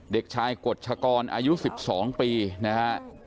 เด็กชายกฎชกรอายุ๑๒ปีนะฮะ